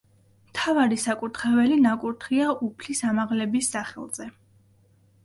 მთავარი საკურთხეველი ნაკურთხია უფლის ამაღლების სახელზე.